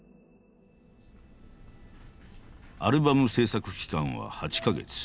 アルバム制作期間は８か月。